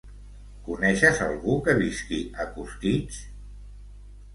Coneixes algú que visqui a Costitx?